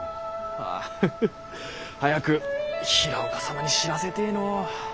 あハハ早く平岡様に知らせてぇのう。